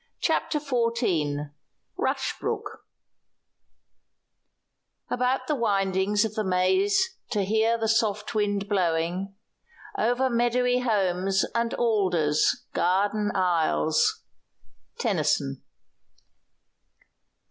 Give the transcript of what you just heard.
CHAPTER XIV RUSHBROOK "About the windings of the maze to hear The soft wind blowing. Over meadowy holms And alders, garden aisles." TENNYSON.